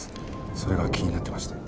それが気になってまして。